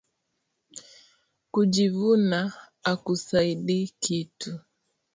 Kujivuna akusaidii kitu